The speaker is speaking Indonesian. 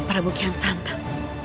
para bukian santan